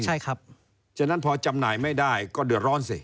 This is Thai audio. ใช่ครับฉะนั้นพอจำหน่ายไม่ได้ก็เดือดร้อนสิ